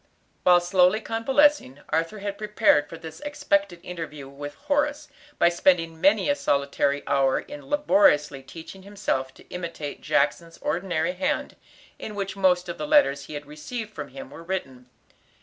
While slowly convalescing, Arthur had prepared for this expected interview with Horace, by spending many a solitary hour in laboriously teaching himself to imitate Jackson's ordinary hand, in which most of the letters he had received from him were written.